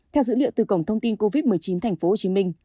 theo dữ liệu từ cổng thông tin covid một mươi chín tp hcm